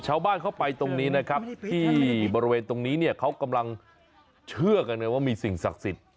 ชาวบ้านเข้าไปตรงนี้นะครับที่บริเวณตรงนี้เนี่ยเขากำลังเชื่อกันไงว่ามีสิ่งศักดิ์สิทธิ์